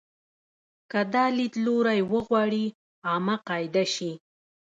که دا لیدلوری وغواړي عامه قاعده شي.